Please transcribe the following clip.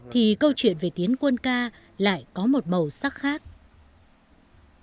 thì câu chuyện về tiến quân ca lại có một màu sắc khác